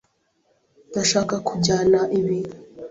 Ndashaka kujyana ibi.